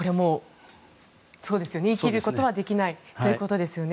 言い切ることはできないということですよね。